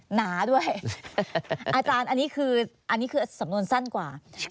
หนาด้วยอาจารย์อันนี้คืออันนี้คือสำนวนสั้นกว่า